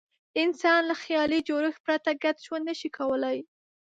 انسان له خیالي جوړښت پرته ګډ ژوند نه شي کولای.